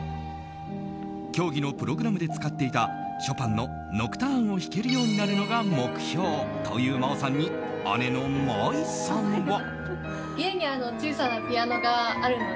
競技のプログラムで使っていたショパンの「ノクターン」を弾けるようになるのが目標という真央さんに姉の舞さんは。